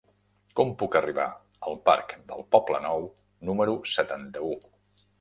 Com puc arribar al parc del Poblenou número setanta-u?